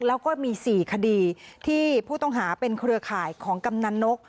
แล้วก็มี๔คดีที่ผู้ต้องหาเป็นเครือข่ายของกำนันนก